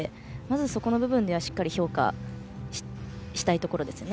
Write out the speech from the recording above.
まずそこの部分ではしっかり評価したいところですね。